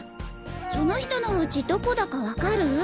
その人のおうちどこだかわかる？